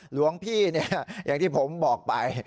หลวงพี่เนี่ยอย่างที่ผมบอกไป